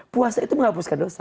puasa itu menghapuskan dosa